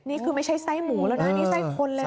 นี่คือไม่ใช่ไส้หมูแล้วนะนี่ไส้คนเลย